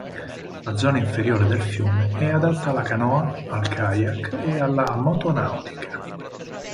La zona inferiore del fiume è adatta alla canoa, al kayak e alla motonautica.